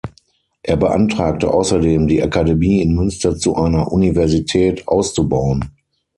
Er beantragte außerdem, die Akademie in Münster zu einer Universität auszubauen.